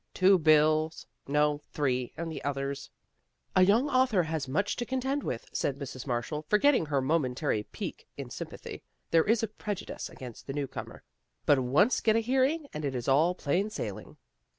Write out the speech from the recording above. " Two bills no, three, and the others " A young author has much to contend with," said Mrs. Marshall, forgetting her momentary pique in sympathy. " There is a prejudice against the newcomer, but once get a hearing and it is all plain sailing."